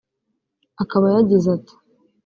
Akaba yagize ati